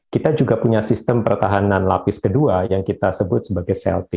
kita juga punya sistem pertahanan lapis kedua yang kita sebut sebagai sel t